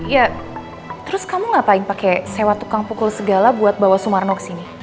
ya terus kamu ngapain pakai sewa tukang pukul segala buat bawa sumarno kesini